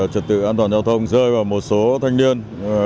trật tự an toàn giao thông rơi vào một số thanh niên